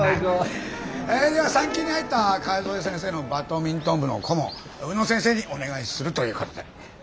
では産休に入った川添先生のバドミントン部の顧問宇野先生にお願いするという事で。